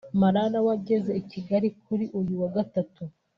Malala wageze i Kigali kuri uyu wa Gatatu